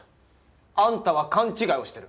あんたは勘違いをしてる。